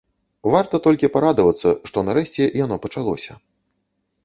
Варта толькі парадавацца, што нарэшце яно пачалося.